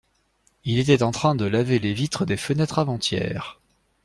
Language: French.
Il était en train de laver les vitres des fenêtres avant-hier.